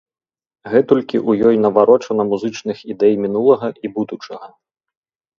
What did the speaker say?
Гэтулькі ў ёй наварочана музычных ідэй мінулага і будучага.